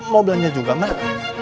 mau belanja juga mak